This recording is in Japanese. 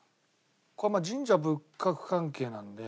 これまあ神社仏閣関係なんで。